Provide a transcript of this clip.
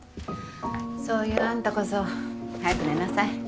そういうあんたこそ早く寝なさい。